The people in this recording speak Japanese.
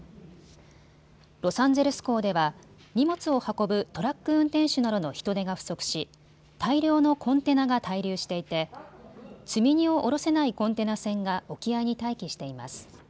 ロサンゼルス港では荷物を運ぶトラック運転手などの人手が不足し大量のコンテナが滞留していて、積み荷を降ろせないコンテナ船が沖合に待機しています。